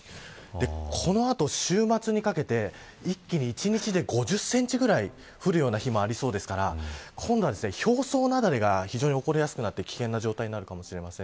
この後、週末にかけて一気に１日で５０センチぐらい降るような日もありそうですから今度は表層雪崩が非常に起こりやすくなって危険な状態になるかもしれません。